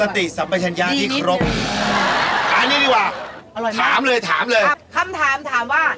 เอาที่สติสัมประชัญญาที่ครบอันนี้ดีกว่าถามเลยครับคำถามถามว่า